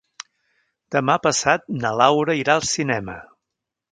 Demà passat na Laura irà al cinema.